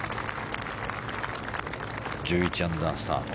１１アンダースタート。